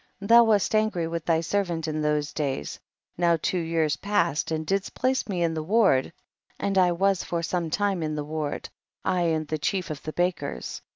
32. Thou wast angry with thy servant in those days, now two years past, and didst place me in the ward, and I was for some time in the ward, I and the chief of the bakers.